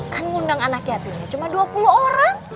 kan ngundang anak yatimnya cuma dua puluh orang